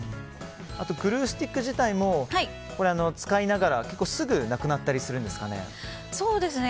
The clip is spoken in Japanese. グルースティック自体も使いながら結構すぐなくなったりするんですかね。